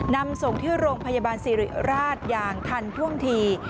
นำส่งที่โรงพยาบาลสิริราชอย่างทันท่วงที